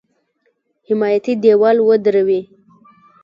حمایتي دېوال ودروي.